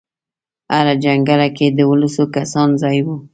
هره جنګله کې د دولسو کسانو ځای و.